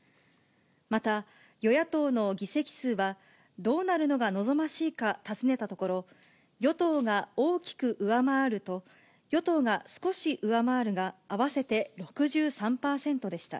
また、与野党の議席数は、どうなるのが望ましいか尋ねたところ、与党が大きく上回ると、与党が少し上回るが合わせて６３％でした。